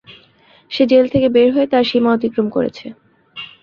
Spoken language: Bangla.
সে জেলে থেকে বের হয়ে তার সীমা অতিক্রম করেছে।